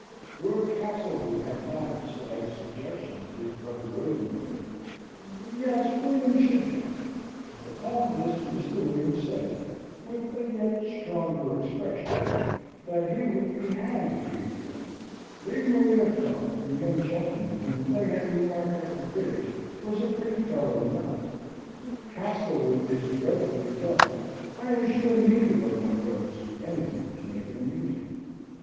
Lord Castlewood had not the slightest objection to his brother William going yes, William should go. Upon this Mr. William said (with a yet stronger expression) that he would be hanged if he would go. Lady Maria thought the young gentleman whom they had remarked at the bridge was a pretty fellow enough. Castlewood is dreadfully dull, I am sure neither of my brothers do anything to make it amusing.